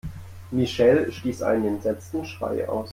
Michelle stieß einen entsetzten Schrei aus.